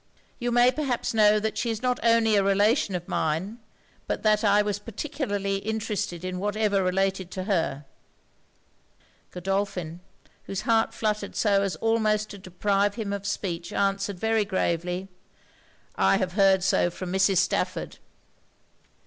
You may perhaps know that she is not only a relation of mine, but that I was particularly interested in whatever related to her.' Godolphin, whose heart fluttered so as almost to deprive him of speech, answered very gravely 'I have heard so from Mrs. Stafford.'